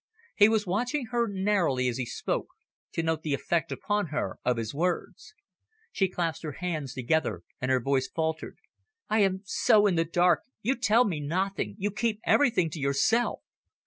He was watching her narrowly as he spoke, to note the effect upon her of his words. She clasped her hands together and her voice faltered. "I am so in the dark, you tell me nothing, you keep everything to yourself."